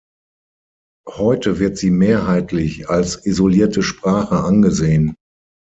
Heute wird sie mehrheitlich als isolierte Sprache angesehen.